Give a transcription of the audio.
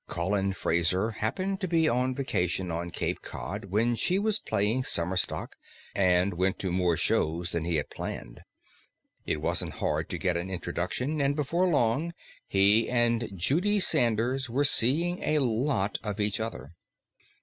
Colin Fraser happened to be on vacation on Cape Cod, where she was playing summer stock, and went to more shows than he had planned. It wasn't hard to get an introduction, and before long he and Judy Sanders were seeing a lot of each other.